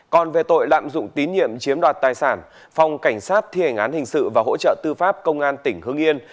còn về tội lạm dụng tín nhiệm chiếm đoạt tài sản phòng cảnh sát thi hành án hình sự và hỗ trợ tư pháp công an tỉnh hưng yên